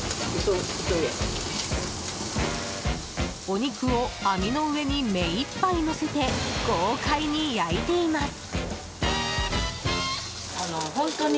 お肉を網の上に目いっぱいのせて豪快に焼いています。